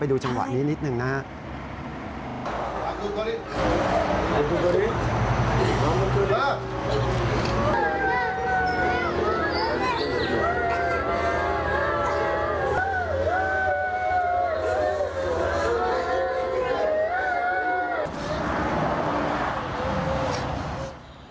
ไปดูจังหวะนี้นิดหนึ่งนะฮะ